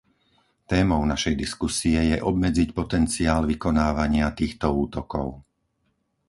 Témou našej diskusie je obmedziť potenciál vykonávania týchto útokov.